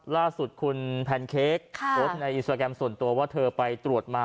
ล่าสุดคุณแพนเค้กโพสต์ในอินสตราแกรมส่วนตัวว่าเธอไปตรวจมา